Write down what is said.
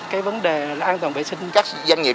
cái vấn đề là an toàn vệ sinh các doanh nghiệp